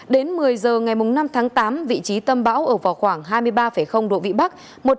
đến một mươi giờ ngày năm tháng tám vị trí tâm bão ở vào khoảng hai mươi ba độ vĩ bắc